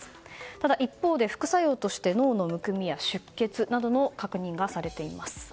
ただ一方で、副作用として脳のむくみや出血などの症状が確認がされています。